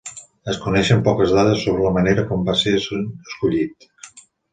Es coneixen poques dades sobre la manera com van ser escollits.